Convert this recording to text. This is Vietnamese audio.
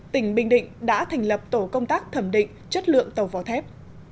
tỉnh bình định đã thành lập tổ công tác thẩm định chất lượng tàu vỏ thép